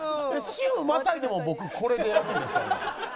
週またいでも僕これでやってるんですからね。